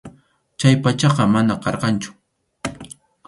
Chay pachaqa manam karqanchu.